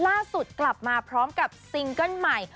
ล่าสุดกลับมาพร้อมกับซิงเกิ้ลใหม่